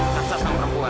kaksas kamu perempuan